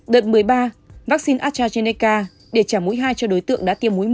đợt một mươi ba vaccine astrazeneca để trả mũi hai cho đối tượng đã tiêm mũi một